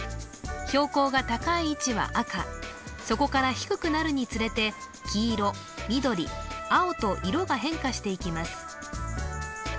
標高が高い位置は赤そこから低くなるにつれて黄色緑青と色が変化していきます